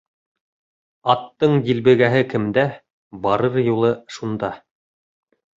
Аттың дилбегәһе кемдә, барыр юлы шунда.